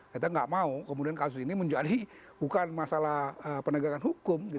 kita nggak mau kemudian kasus ini menjadi bukan masalah penegakan hukum